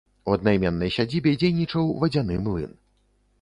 У аднайменнай сядзібе дзейнічаў вадзяны млын.